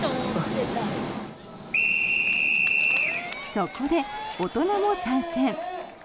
そこで大人も参戦。